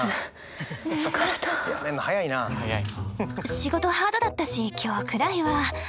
仕事ハードだったし今日くらいは。